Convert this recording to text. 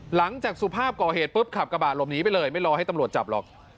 สุภาพก่อเหตุปุ๊บขับกระบะหลบหนีไปเลยไม่รอให้ตำรวจจับหรอก